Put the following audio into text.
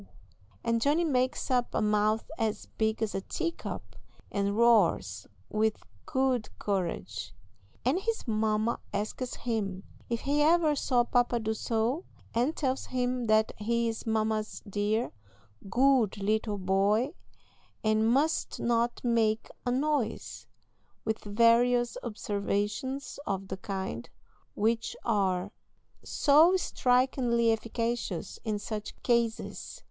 and Johnny makes up a mouth as big as a tea cup, and roars with good courage, and his mamma asks him "if he ever saw pa do so," and tells him that "he is mamma's dear, good little boy, and must not make a noise," with various observations of the kind, which are so strikingly efficacious in such cases.